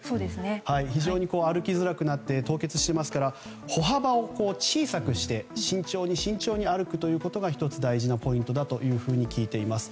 非常に歩きづらくなって凍結していますから歩幅を小さくして慎重に慎重に歩くということが１つ、大事なポイントだと聞いています。